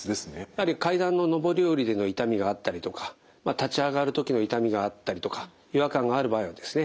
やはり階段の上り下りでの痛みがあったりとか立ち上がる時の痛みがあったりとか違和感がある場合はですね